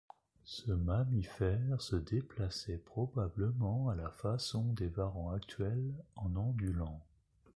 Ce mammifère se déplaçait probablement à la façon des varans actuels, en ondulant.